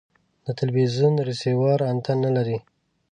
د تلوزیون ریسیور انتن نلري